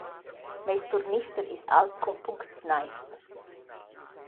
Meis turnister es alb cun puncts nairs.»